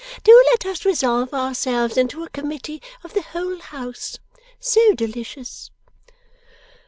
Do let us resolve ourselves into a Committee of the whole House! So delicious!